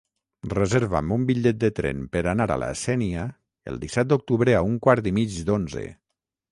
Reserva'm un bitllet de tren per anar a la Sénia el disset d'octubre a un quart i mig d'onze.